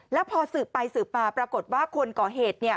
แล้วพอสื่อไปสื่อมาปรากฏว่าคนก่อเหตุ